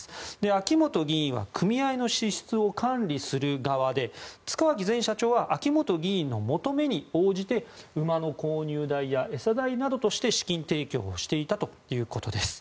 秋本議員は組合の支出を管理する側で塚脇前社長は秋本議員の求めに応じて馬の購入代や餌代などとして資金提供をしていたということです。